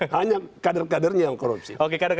hanya kader kadernya yang korupsi